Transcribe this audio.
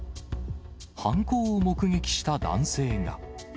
犯行を目撃した男性が。